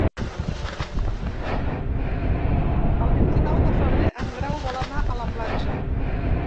El vint-i-nou de febrer en Grau vol anar a la platja.